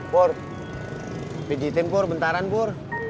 pur peji tim pur bentaran pur